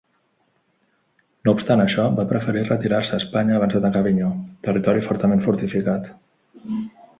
No obstant això, va preferir retirar-se a Espanya abans d'atacar Avinyó, territori fortament fortificat.